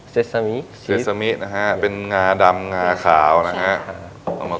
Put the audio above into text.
เซซามีนะฮะเป็นงาดำกาขาวนะฮะ